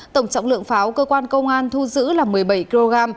tổng trọng lượng pháo cơ quan công an thu giữ là một mươi bảy kg